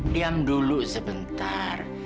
diam dulu sebentar